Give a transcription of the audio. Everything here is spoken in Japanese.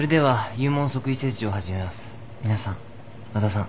ミナさん和田さん